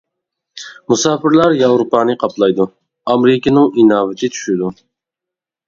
مۇساپىرلار ياۋروپانى قاپلايدۇ، ئامېرىكىنىڭ ئىناۋىتى چۈشىدۇ.